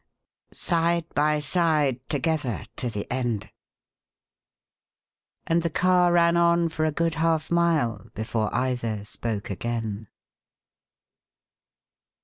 Side by side together to the end." And the car ran on for a good half mile before either spoke again.